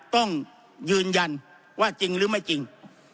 ต้องยืนยันว่าจริงหรือไม่จริง